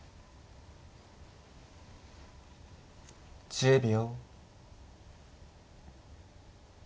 １０秒。